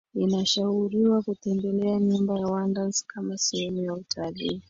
Inashauriwa kutembelea Nyumba ya Wonders kama sehemu ya utalii